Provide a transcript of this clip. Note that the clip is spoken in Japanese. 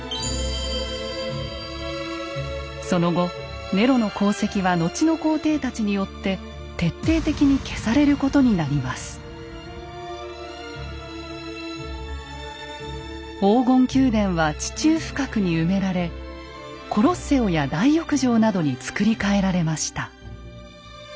その後ネロの功績は後の皇帝たちによって黄金宮殿は地中深くに埋められコロッセオや大浴場などに造り替えられました。